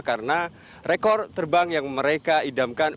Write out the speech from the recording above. karena rekor terbang yang mereka idamkan